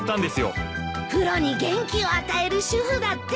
プロに元気を与える主婦だって。